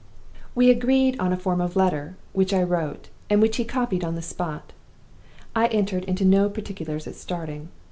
"We agreed on a form of letter which I wrote, and which he copied on the spot. I entered into no particulars at starting.